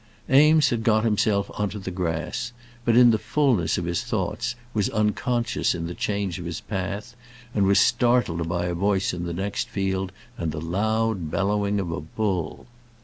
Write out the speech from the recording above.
Eames had got himself on to the grass, but, in the fulness of his thoughts, was unconscious of the change in his path, when he was startled by a voice in the next field and the loud bellowing of a bull.